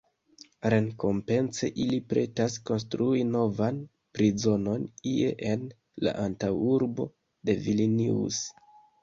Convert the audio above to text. Rekompence ili pretas konstrui novan prizonon ie en la antaŭurbo de Vilnius.